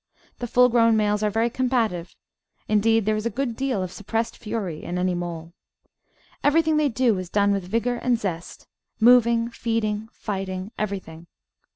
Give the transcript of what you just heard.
The full grown males are very combative; indeed, there is a good deal of suppressed fury in any mole. Everything they do is done with vigour and zest — ^moving, feeding, fighting, everything.